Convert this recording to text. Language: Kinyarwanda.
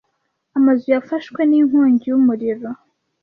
Amazu yafashwe n'inkongi y'umuriro.